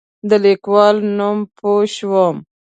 د لیکوال نوم پوه شوم.